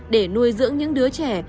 để nuôi dưỡng những đứa trẻ